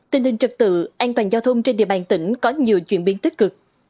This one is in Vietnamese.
tình hình trật tự an toàn giao thông trên địa bàn tỉnh có nhiều chuyển biến tích cực